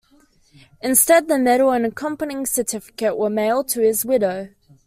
Instead, the medal and accompanying certificate were mailed to his widow.